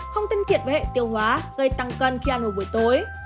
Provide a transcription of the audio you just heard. không tân thiện với hệ tiêu hóa gây tăng cân khi ăn vào buổi tối